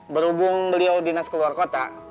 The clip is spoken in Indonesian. berhubung beliau dinas keluar kota